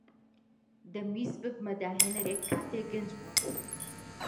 دەمویست ببمە داھێنەرێک کاتێک گەنج بووم.